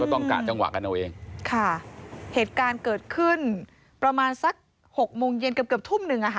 ต้องกะจังหวะกันเอาเองค่ะเหตุการณ์เกิดขึ้นประมาณสักหกโมงเย็นเกือบเกือบทุ่มหนึ่งอ่ะค่ะ